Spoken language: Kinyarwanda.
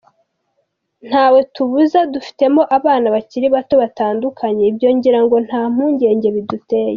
ntawe tubuza, dufitemo abana bakiri bato batandukanye, ibyo ngira ngo nta mpungenge biduteye.